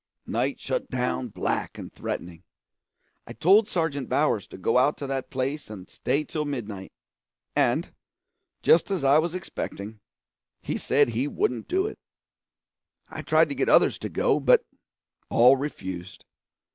Night shut down black and threatening. I told Sergeant Bowers to go out to that place and stay till midnight; and, just as I was expecting, he said he wouldn't do it. I tried to get others to go, but all refused.